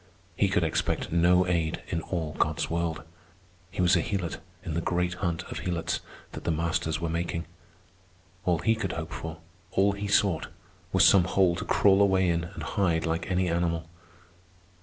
He could expect no aid in all God's world. He was a helot in the great hunt of helots that the masters were making. All he could hope for, all he sought, was some hole to crawl away in and hide like any animal.